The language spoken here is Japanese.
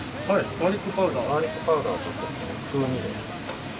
ガーリックパウダーをちょっと風味で。